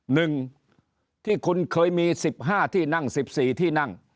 หนึ่งที่คุณเคยมีสิบห้าที่นั่งสิบสี่ที่นั่ง